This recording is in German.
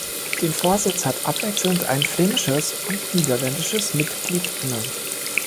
Den Vorsitz hat abwechselnd ein flämisches und niederländisches Mitglied inne.